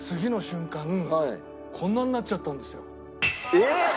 えっ！？